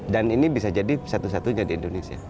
dan ini bisa jadi satu satunya di indonesia